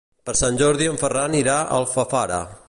Per Sant Jordi en Ferran irà a Alfafara.